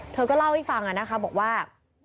เธอก็เล่าให้ฟังนะคะบอกว่า